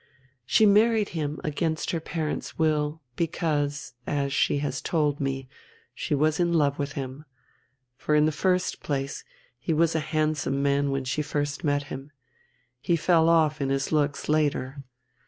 "She married him against her parents' will, because, as she has told me, she was in love with him. For in the first place, he was a handsome man when she first met him he fell off in his looks later.